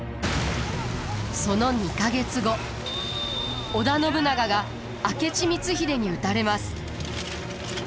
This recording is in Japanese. その２か月後織田信長が明智光秀に討たれます。